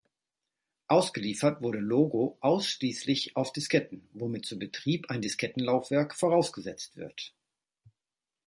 Ausgeliefert wurde Logo ausschließlich auf Disketten, womit zum Betrieb ein Diskettenlaufwerk vorausgesetzt wird.